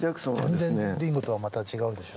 全然リンゴとはまた違うでしょう。